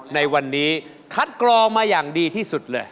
ในวันนี้คัดกรองมาอย่างดีที่สุดเลย